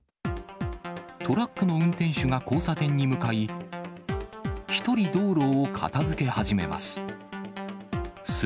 トラックの運転手が交差点に向かい、１人道路を片づけ始めます。